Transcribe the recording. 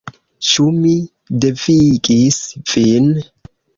Ĉu mi devigis vin —?